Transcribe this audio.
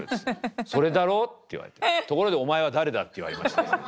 それだろ？」って言われて「ところでお前は誰だ」って言われました。